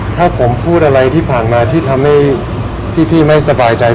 ถ้าผมพูดอะไรที่ผ่านมาที่ทำให้พี่ไม่สบายใจ